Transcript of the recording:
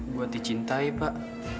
buat dicintai pak